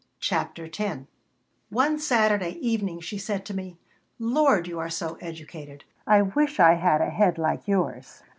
CHAPTER X ONE Saturday evening she said to me: "Lord! you are so educated. I wish I had a head like yours."